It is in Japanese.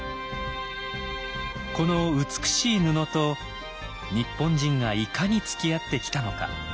この美しい布と日本人がいかにつきあってきたのか。